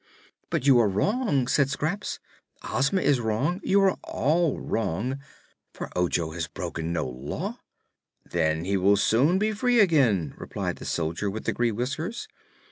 "But you are wrong," said Scraps. "Ozma is wrong you are all wrong for Ojo has broken no Law." "Then he will soon be free again," replied the Soldier with the Green Whiskers.